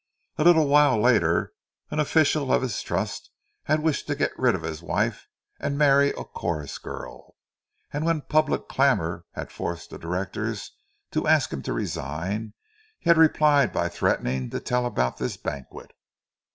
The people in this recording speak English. And a little while later an official of this trust had wished to get rid of his wife and marry a chorus girl; and when public clamour had forced the directors to ask him to resign, he had replied by threatening to tell about this banquet!